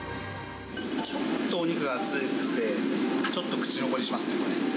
ちょっとお肉が厚くて、ちょっと口残りしますね、これ。